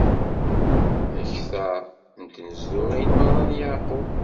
Akter n tnezduɣin mera n Yeɛqub.